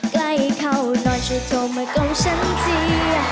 ใกล้เข้านอนฉันโทรมาของฉันที